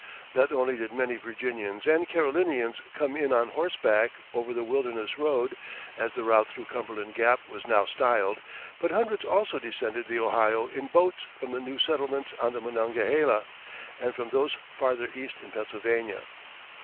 Not only did many Virginians and Carolinians come in on horseback over the "Wilderness Road," as the route through Cumberland Gap was now styled, but hundreds also descended the Ohio in boats from the new settlements on the Monongahela, and from those farther east in Pennsylvania.